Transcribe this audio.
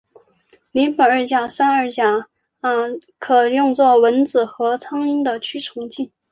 邻苯二甲酸二甲酯可用作蚊子和苍蝇的驱虫剂。